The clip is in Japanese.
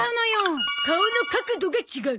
顔の角度が違う。